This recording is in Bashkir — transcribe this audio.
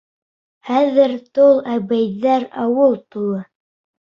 Хәҙер тол әбейҙәр ауыл тулы.